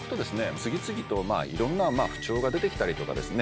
次々といろんな不調が出てきたりとかですね